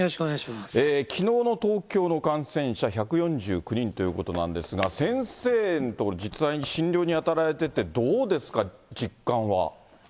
きのうの東京の感染者１４９人ということなんですが、先生のところ、実際に診療に当たられてて、どうですか、実感は。